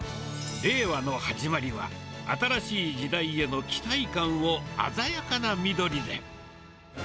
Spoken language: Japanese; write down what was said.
令和の始まりは、新しい時代への期待感を鮮やかな緑で。